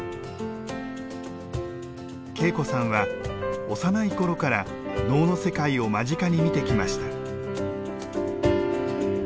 景子さんは幼いころから能の世界を間近に見てきました。